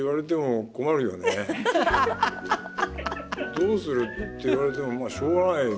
どうするって言われてもまあしょうがないもう。